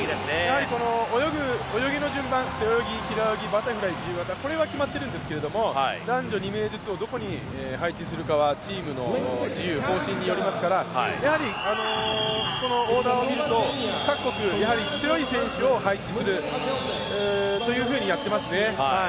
泳ぎの順番、背泳ぎバタフライ自由形、これは決まっているんですけども男女２名ずつをどこに配置するかはチームの自由方針によりますから、やはりこのオーダーを見ると、各国、強い選手を配置するというふうにやっていますね。